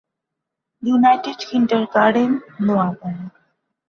United kindergarten, Noapara.